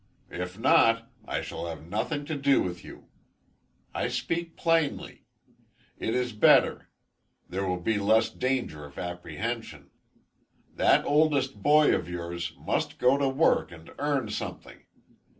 If not, I shall have nothing to do with you. I speak plainly; it is better; there will be less danger of apprehension. That oldest boy of yours must go to work and earn something.